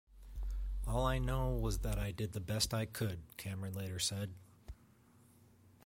"All I know was that I did the best I could," Cameron later said.